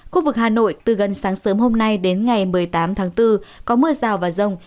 khu vực hà nội từ gần sáng sớm hôm nay đến ngày một mươi tám tháng bốn có mưa rào và rông